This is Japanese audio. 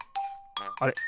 あれ？